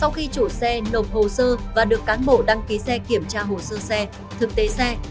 khi chủ xe nộp hồ sơ và được cán bộ đăng ký xe kiểm tra hồ sơ xe thực tế xe